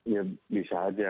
ya bisa aja